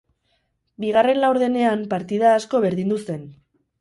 Bigarren laurdenean partida asko berdindu zen.